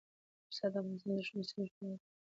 پسه د افغانستان د شنو سیمو ښکلا ده.